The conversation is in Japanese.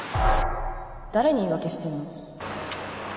誰に言い訳してんの？